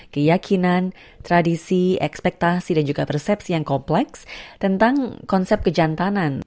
keyakinan tradisi ekspektasi dan juga persepsi yang kompleks tentang konsep kejantanan